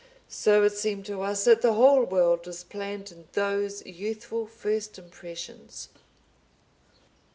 So it seemed to us that the whole world was planned in those youthful first impressions.